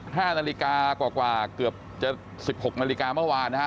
๑๕นาฬิกากว่าเกือบจะ๑๖นาฬิกาเมื่อวานนะฮะ